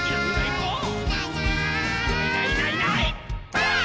ばあっ！